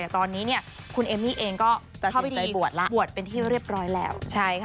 แต่ตอนนี้เนี่ยคุณเอมมี่เองก็เข้าไปที่บวชเป็นที่เรียบร้อยแล้ว